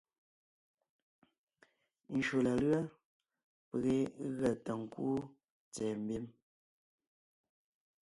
Njÿó la lʉ́a peg yé gʉa ta ńkúu tsɛ̀ɛ mbím,